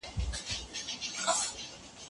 ولي خلګ د نورو له غولولو خوند اخلي؟